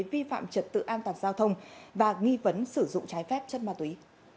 vi phạm trật tự an toàn giao thông và nghi vấn sử dụng trái phép chất ma túy